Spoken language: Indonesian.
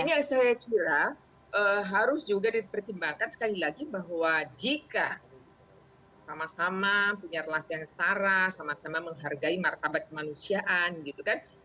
nah ini yang saya kira harus juga dipertimbangkan sekali lagi bahwa jika sama sama punya relasi yang setara sama sama menghargai martabat kemanusiaan gitu kan